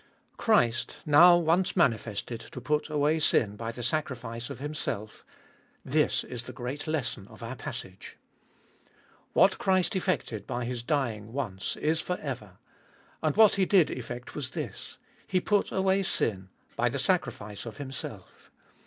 Christ, now once manifested to put away sin byjthe sacri fice of Himself— this is the great lesson of our passage. What Christ effected by His dying once, is for ever. And what He did effect was this— He put away sin by the sacrifice of Him self.